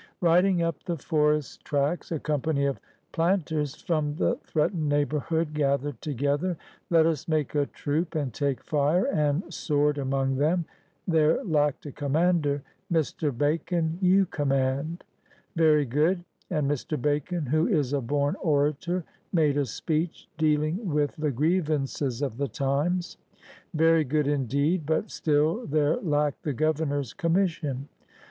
Biding up the forest tracks, a company of plant ers from the threatened neighborhood gath^ed together. ""Let us make a troop and take fire and sword among them !" There lacked a conmiander. Mr. Bacon, you command!" Very good; and Mr. Bacon, who is a bom orator, made a speech dealing with the "grievances of the times. Very good indeed; but still there lacked the Governor's conmiission.